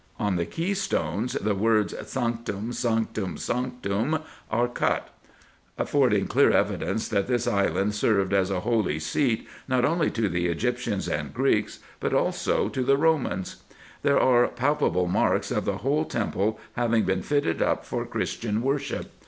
On the key stones the words " sanctum, sanctum, sanctum," are cut ; affording clear evidence, that this island served as a holy seat not only to the Egyptians and Greeks, but also to the Romans. There are palpable marks of the whole temple having been fitted up for Christian worship.